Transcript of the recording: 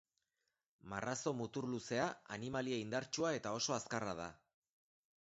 Marrazo muturluzea animalia indartsua eta oso azkarra da.